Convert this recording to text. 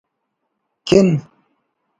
کن